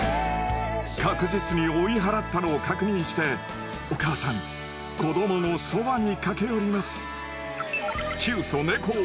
確実に追い払ったのを確認してお母さん子どものそばに駆け寄ります。